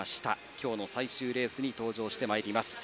今日の最終レースに登場してまいります。